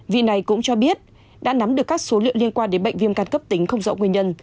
vị này cũng cho biết đã nắm được các số liệu liên quan đến bệnh viêm căn cấp tính không rõ nguyên nhân